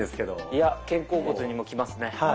いや肩甲骨にもきますね。